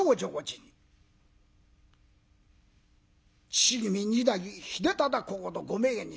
父君二代秀忠公のご命日。